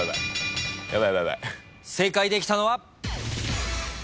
正解できたのは。